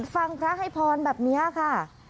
ฟังพระให้พรแบบนี้ค่ะ